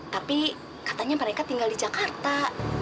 tapi katanya mereka tinggal di jakarta